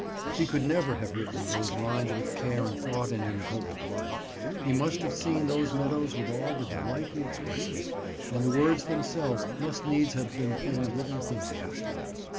He could never have written those lines with care and thought and in cold blood: he must have seen those meadows with all the delight he expresses, and the words themselves must needs have been penned with enthusiasm.